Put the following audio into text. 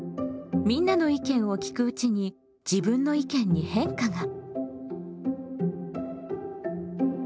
みんなの意見を聞くうちに自分の意見に変化が。